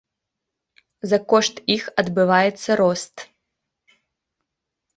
За кошт іх адбываецца рост.